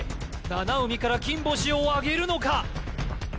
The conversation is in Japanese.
七海から金星をあげるのか？